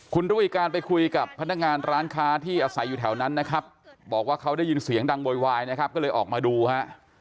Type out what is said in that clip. คุณระวิการไปคุยกับพนักงานร้านค้าที่อาศัยอยู่แถวนั้นนะครับบอกว่าเขาได้ยินเสียงดังโวยวายนะครับก็เลยออกมาดูฮะ